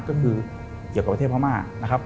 ก็คือเกี่ยวกับประเทศพม่า